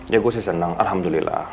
ya gue sih senang alhamdulillah